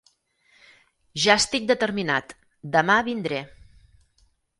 Ja estic determinat: demà vindré.